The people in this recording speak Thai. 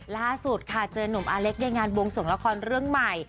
ล่าสุดค่ะเจอนุ่มอาเล็กในงานบวงสวงละครเรื่องใหม่